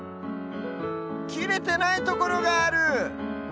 きれてないところがある！